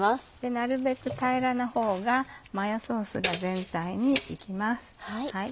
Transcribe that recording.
なるべく平らなほうがマヨソースが全体に行きます。